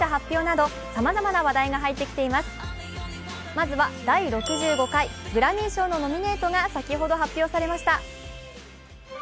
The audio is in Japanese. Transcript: まずは第６５回グラミー賞のノミネートが先ほど発表されました。